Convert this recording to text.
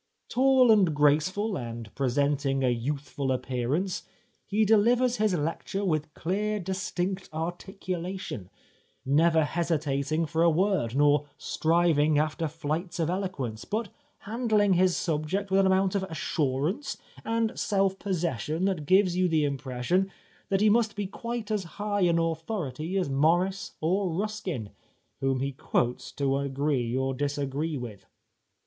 Tall and graceful, and presenting a youthful appearance, he delivers his lecture with clear, distinct articulation, never hesitating for a word, nor striving after flights of eloquence, but handUng his subject with an amount of assurance and self possession that gives you the impression that he must be quite as high an authority as Morris or Ruskin, whom he quotes to agree or disagree with.